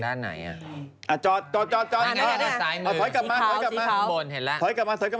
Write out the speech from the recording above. ถูกถามไว้แล้ว